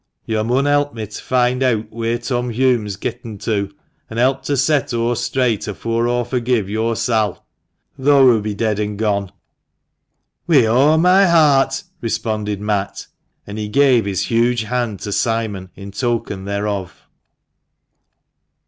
Yo' mun help me t' find eawt wheer Tom Hulme's getten to, an' help to set o' straight afore aw forgive yo'r Sail, tho' hoo be dead an' gone." " Wi' o' my heart !" responded Matt ; and he gave his huge hand to Simon in token thereof.